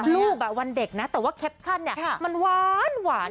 วันเด็กนะแต่ว่าแคปชั่นเนี่ยมันหวาน